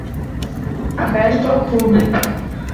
Aberto ao público